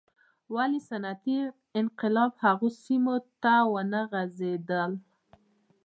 ولې صنعتي انقلاب هغو سیمو ته ونه غځېدل.